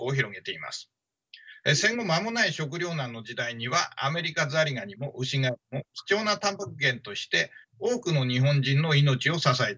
戦後間もない食糧難の時代にはアメリカザリガニもウシガエルも貴重なタンパク源として多くの日本人の命を支えてきました。